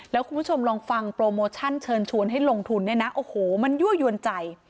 แล้วคุณผู้ชมลองฟังโปรโมชั่นเชิญชวนให้ลงทุนเนี่ยนะโอ้โหมันยั่วยวนใจ